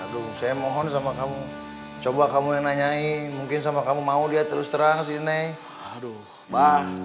dulu saya mohon sama kamu coba kamu nanyain mungkin sama kamu mau dia terus terang sine aduh mba